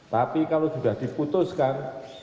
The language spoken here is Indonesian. tapi kalau sudah diputuskan